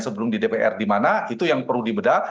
sebelum di dpr di mana itu yang perlu dibedah